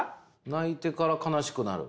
泣いてから悲しくなる。